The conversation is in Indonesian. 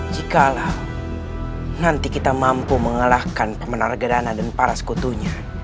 jikalau nanti kita mampu mengalahkan paman harga dana dan para sekutunya